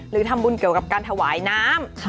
หรือทำบุญเกี่ยวกับการถวายน้ำ